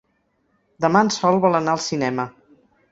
Demà en Sol vol anar al cinema.